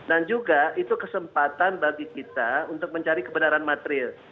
dan juga itu kesempatan bagi kita untuk mencari kebenaran material